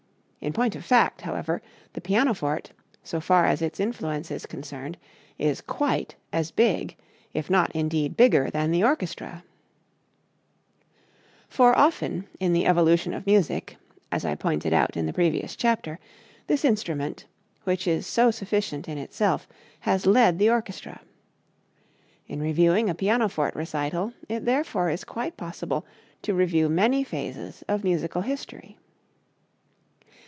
In point of fact, however, the pianoforte, so far as its influence is concerned, is quite as "big," if not, indeed, bigger than the orchestra; for often, in the evolution of music (as I pointed out in the previous chapter), this instrument, which is so sufficient in itself, has led the orchestra. In reviewing a pianoforte recital it therefore is quite possible to review many phases of musical history.